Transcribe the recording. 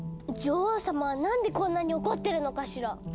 女王様はなんでこんなに怒ってるのかしら？